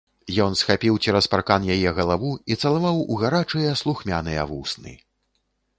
Ён схапіў цераз паркан яе галаву і цалаваў у гарачыя, слухмяныя вусны.